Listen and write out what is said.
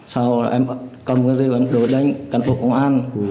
sau em cầm cái rượu em đổi đánh cán bộ công an